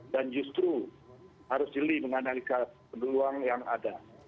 dan justru harus jeli menganalisa peluang yang ada